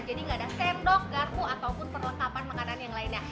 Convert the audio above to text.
jadi tidak ada sendok garpu atau perlekapan makanan lainnya